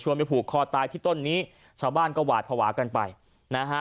ไปผูกคอตายที่ต้นนี้ชาวบ้านก็หวาดภาวะกันไปนะฮะ